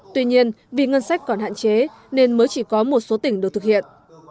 tuy nhiên vì ngân sách còn hạn chế nên mới chỉ có một số tỉnh được thực hiện